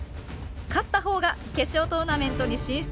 勝ったほうが決勝トーナメントに進出。